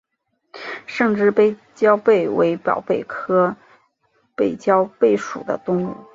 胜枝背焦贝为宝贝科背焦贝属的动物。